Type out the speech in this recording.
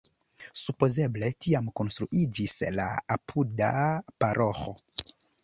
Supozeble tiam konstruiĝis la apuda paroĥo.